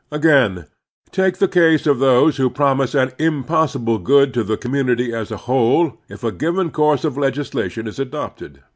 Again, take the case of those who promise an impossible good to the commtmity as a whole if a given course of legislation is adopted.